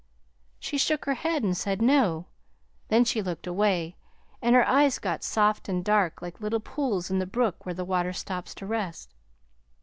"She shook her head, and said 'No.' Then she looked away, and her eyes got soft and dark like little pools in the brook where the water stops to rest.